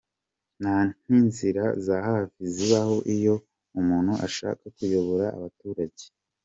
"Nta nzira za hafi zibaho iyo umuntu ashaka kuyobora Abaturage.